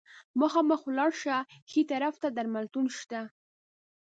مخامخ ولاړ شه، ښي طرف ته درملتون شته.